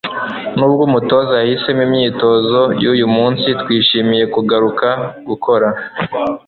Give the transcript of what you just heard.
Nubwo umutoza yahisemo imyitozo yuyu munsi, twishimiye kugaruka gukora